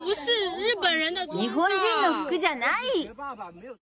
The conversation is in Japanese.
日本人の服じゃない。